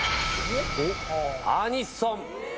「アニソン」。